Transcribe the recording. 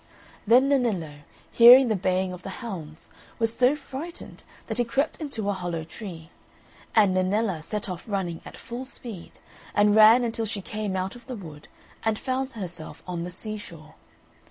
Then Nennillo, hearing the baying of the hounds, was so frightened that he crept into a hollow tree; and Nennella set off running at full speed, and ran until she came out of the wood, and found herself on the seashore.